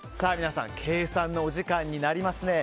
皆さん、計算のお時間になります。